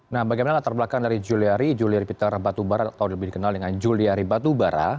nah bagaimana latar belakang dari juliari julia peter batubara atau lebih dikenal dengan juliari batubara